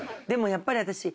でもやっぱり私。